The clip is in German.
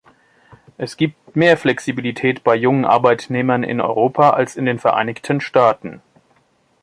Es gibt mehr Flexibilität bei jungen Arbeitnehmern in Europa, als in den Vereinigten Staaten.